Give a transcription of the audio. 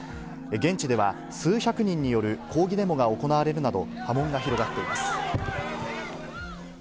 現地では数百人による抗議デモが行われるなど、波紋が広がっています。